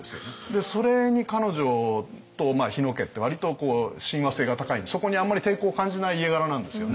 でそれに彼女と日野家って割と親和性が高いんでそこにあんまり抵抗を感じない家柄なんですよね。